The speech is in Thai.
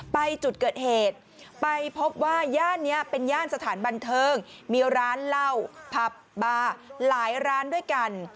ไปจุดเกิดเหตุไปพบว่าย่านนี้เป็นย่านสถานบันเทิงมีร้านเหล้าผับบาร์หลายร้านด้วยกัน